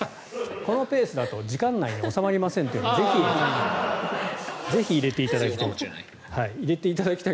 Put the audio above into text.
このペースだと時間内に収まりませんってぜひ入れていただきたい。